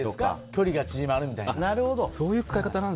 距離が縮まるみたいな。